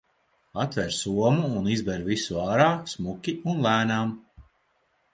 Atver somu un izber visu ārā, smuki un lēnām.